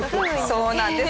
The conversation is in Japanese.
そうなんです。